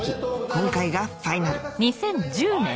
今回がファイナルおい！